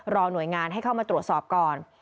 หน่วยงานให้เข้ามาตรวจสอบก่อน